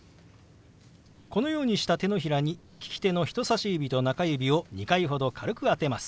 このようにした手のひらに利き手の人さし指と中指を２回ほど軽く当てます。